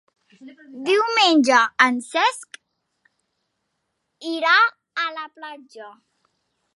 Diumenge en Cesc irà a la platja.